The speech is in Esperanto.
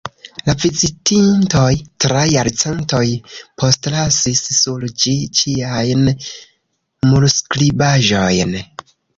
La vizitintoj tra jarcentoj postlasis sur ĝi ĉiajn murskribaĵojn.